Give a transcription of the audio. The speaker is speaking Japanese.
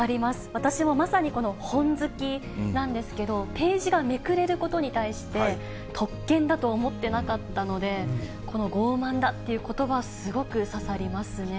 私もまさにこの本好きなんですけど、ページがめくれることに対して、特権だと思ってなかったので、この傲慢だということば、すごく刺さりますね。